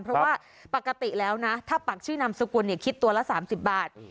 เพราะว่าปกติแล้วนะถ้าปักชื่อนามสกุลคิดตัวละ๓๐บาท